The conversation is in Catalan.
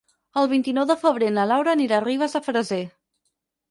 El vint-i-nou de febrer na Laura anirà a Ribes de Freser.